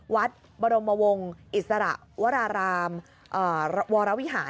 พระบรมวงศ์อิสระวรารามวรวิหาร